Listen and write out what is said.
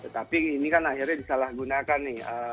tapi ini kan akhirnya disalahgunakan nih